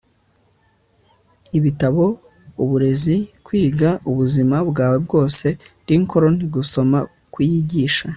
ibitabo uburezi kwigaubuzima bwawe bwose lincoln gusoma kwiyigisha